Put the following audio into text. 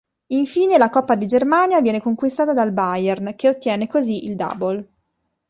Infine, la Coppa di Germania viene conquistata dal Bayern, che ottiene così il double.